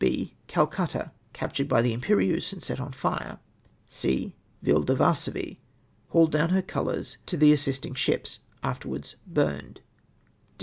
B. Calcutta., captured by the Imperieuse and set on fire. c. Ville de Varsovie, haiiled down her colours to the assisting ships. Afterwards burned.